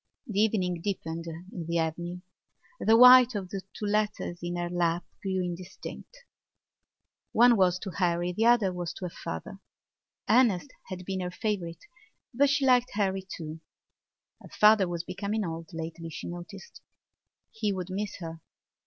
The evening deepened in the avenue. The white of two letters in her lap grew indistinct. One was to Harry; the other was to her father. Ernest had been her favourite but she liked Harry too. Her father was becoming old lately, she noticed; he would miss her.